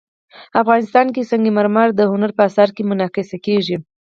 افغانستان کې سنگ مرمر د هنر په اثار کې منعکس کېږي.